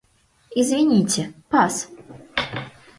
Извините, пас!